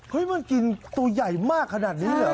มันกินตัวใหญ่มากขนาดนี้เหรอ